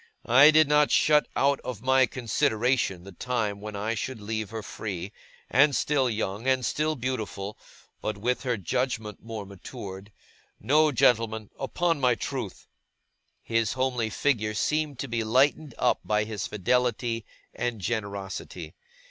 I did not shut out of my consideration the time when I should leave her free, and still young and still beautiful, but with her judgement more matured no, gentlemen upon my truth!' His homely figure seemed to be lightened up by his fidelity and generosity.